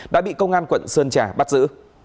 đã bị công an quận sơn trà bắt giữ